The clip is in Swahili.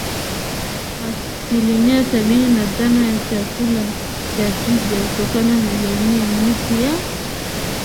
Asilimia sabini na tano ya chakula cha twiga hutokana na jamii ya miti ya